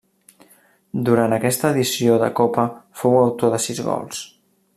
Durant aquesta edició de Copa fou autor de sis gols.